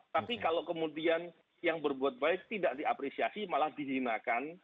tapi kalau kemudian yang berbuat baik tidak diapresiasi malah dihinakan